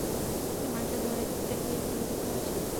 সে মার্ককে ধরতে গিয়ে গুলিবিদ্ধ হয়ছে।